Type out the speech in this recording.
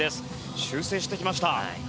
修正してきました。